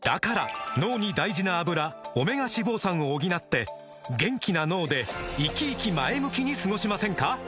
脳に大事な「アブラ」オメガ脂肪酸を補って元気な脳でイキイキ前向きに過ごしませんか？